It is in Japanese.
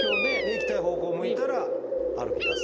行きたい方向を向いたら歩き出す。